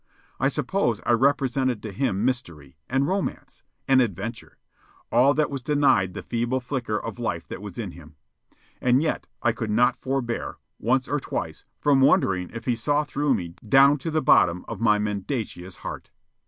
I suppose I represented to him mystery, and romance, and adventure all that was denied the feeble flicker of life that was in him. And yet I could not forbear, once or twice, from wondering if he saw through me down to the bottom of my mendacious heart.